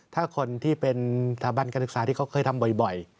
ถ้าคนที่เป็นสถาบันการศึกษาที่เขาเคยทำบ่อย